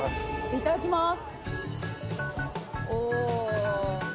いただきます。